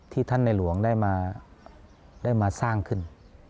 ท่านในหลวงได้มาสร้างขึ้น